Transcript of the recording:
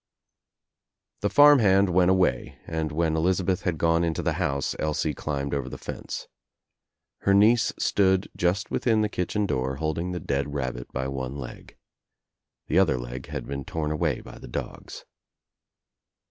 The farm hand went away and when Elizabeth had gone into the house Elsie climbed over the fence. Her niece stood just within the kitchen door holding the dead rabbit by one leg. The other leg had been torn away by the dogs.